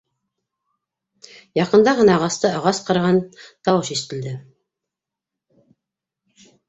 Яҡында ғына ағасты ағас ҡырған тауыш ишетелде.